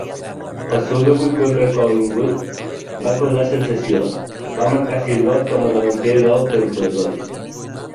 El seu debut contra Collingwood va causar sensació, va marcar sis gols com a davanter del Templeton.